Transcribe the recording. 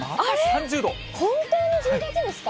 本当に１０月ですか？